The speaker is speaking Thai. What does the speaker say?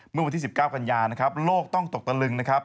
เมื่อวันที่๑๙กันยานะครับโลกต้องตกตะลึงนะครับ